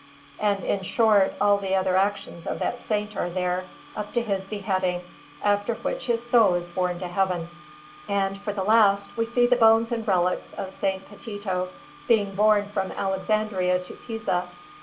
And in short, all the other actions of that Saint are there, up to his beheading, after which his soul is borne to Heaven; and, for the last, we see the bones and relics of S. Petito being borne from Alexandria to Pisa.